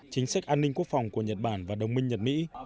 chính sách an ninh quốc phòng của nhật bản và đồng minh nhật mỹ